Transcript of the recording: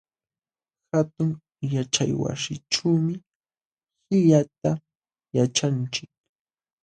Hatun yaćhaywasićhuumi qillqayta yaćhanchik.